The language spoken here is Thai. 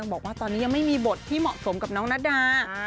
บอกว่าตอนนี้ยังไม่มีบทที่เหมาะสมกับน้องนาดา